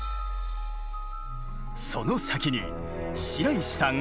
その先に白石さん